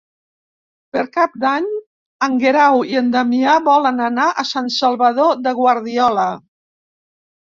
Per Cap d'Any en Guerau i en Damià volen anar a Sant Salvador de Guardiola.